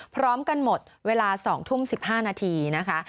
พร้อมกันหมดเวลา๒ทุ่ม๑๕นาทีนะคะ